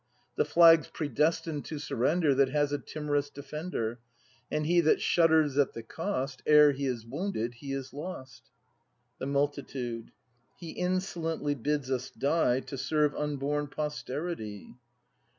The flag's predestined to surrender That has a timorous defender; And he that shudders at the Cost, Ere he is wounded, he is lost. The Multitude. He insolently bids us die To serve unborn posterity!